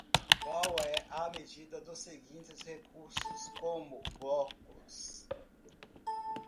Qual é a medida dos seguintes recursos como blocos?